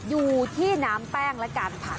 อยู่ที่น้ำแป้งละกันค่ะ